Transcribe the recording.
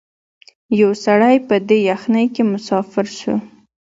یو سړی په دې یخنۍ کي مسافر سو